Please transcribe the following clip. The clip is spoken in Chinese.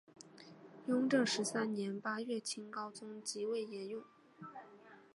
雍正十三年八月清高宗即位沿用。